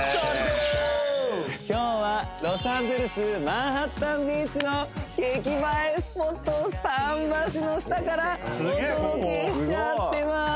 今日はロサンゼルスマンハッタン・ビーチの激映えスポット桟橋の下からお届けしちゃってまーす！